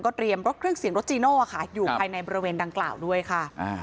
เตรียมรถเครื่องเสียงรถจีโน่ค่ะอยู่ภายในบริเวณดังกล่าวด้วยค่ะ